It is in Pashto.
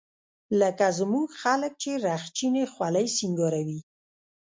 لکه زموږ خلق چې رخچينې خولۍ سينګاروي.